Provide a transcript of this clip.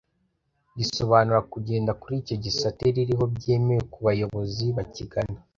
risobanura kugenda kuri icyo gisate ririho byemewe kubayobozi bakigana